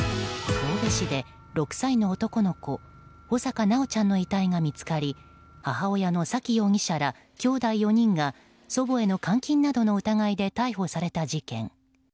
神戸市で６歳の男の子穂坂修ちゃんの遺体が見つかり母親の沙喜容疑者らきょうだい４人が祖母への監禁などの疑いで逮捕された事件。